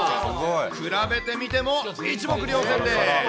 比べてみても一目瞭然です。